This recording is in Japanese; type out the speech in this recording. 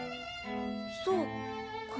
そうかな。